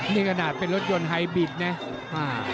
นี่ก็น่าจะเป็นรถยนต์ไฮบีทเนี่ย